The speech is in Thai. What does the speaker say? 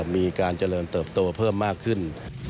มีการเจริญเติบโตเพิ่มมากขึ้น